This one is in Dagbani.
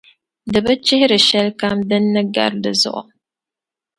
Di bi chɛri shɛli kam di ni gari di zuɣu.